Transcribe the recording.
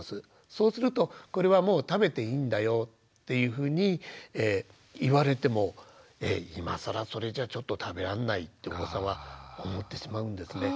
そうするとこれはもう食べていいんだよっていうふうに言われてもえっ今更それじゃちょっと食べらんないってお子さんは思ってしまうんですね。